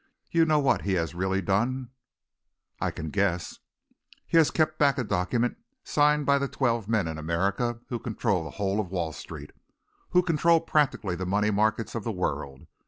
You know what he has really done?" "I can guess." "He has kept back a document signed by the twelve men in America who control the whole of Wall Street, who control practically the money markets of the world.